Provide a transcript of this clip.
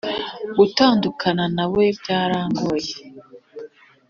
gutandukana nawebyarangoye